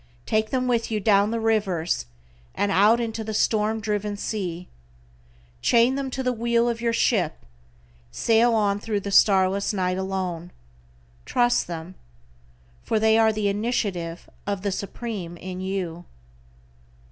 Take them with you down the rivers, and out into the storm driven sea. Chain them to the wheel of your ship, sail on thru the starless night alone. Trust them, for they are the initiative of the Supreme in you.